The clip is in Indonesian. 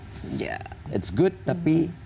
itu bagus tapi